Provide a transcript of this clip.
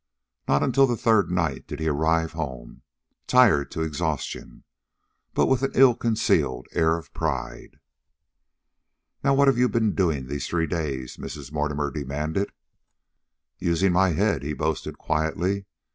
Not until the third night did he arrive home, tired to exhaustion, but with an ill concealed air of pride. "Now what have you been doing these three days?" Mrs. Mortimer demanded. "Usin' my head," he boasted quietly.